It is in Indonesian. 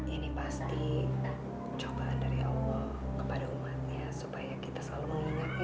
ini pasti cobaan dari allah kepada umatnya supaya kita selalu mengingatkan